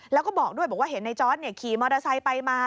แล้วก็บอกด้วยบอกว่าเห็นในจอร์ดขี่มอเตอร์ไซค์ไปมา